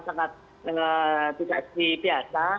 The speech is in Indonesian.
sangat tidak di biasa